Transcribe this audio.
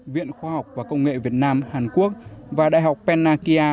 viện khoa học và công nghệ việt nam hàn quốc và đại học penakia